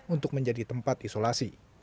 untuk menjadi tempat isolasi